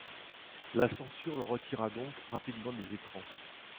La censure le retira donc rapidement des écrans.